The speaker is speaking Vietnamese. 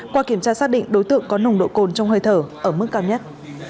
qua kiểm tra xác định đối tượng có nồng độ cồn trong hơi thở ở mức cao nhất